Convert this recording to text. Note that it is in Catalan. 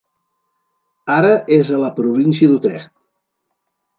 Ara és a la província d'Utrecht.